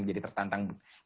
jadi terkont ariana